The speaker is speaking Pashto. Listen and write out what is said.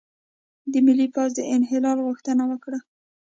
د ملي پوځ د انحلال غوښتنه وکړه،